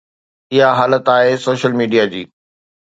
اها حالت آهي سوشل ميڊيا جي.